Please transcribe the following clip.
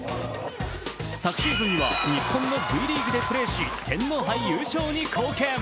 昨シーズンは日本のＶリーグでプレーし、天皇杯優勝に貢献。